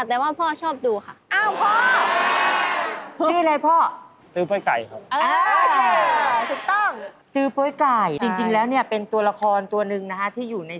จำชื่อไม่ได้ค่ะแต่ว่าพ่อชอบดูค่ะ